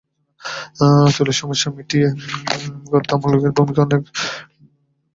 চুলের সমস্যা মিটিয়ে সুন্দর করতে আমলকীর ভূমিকা অনেক।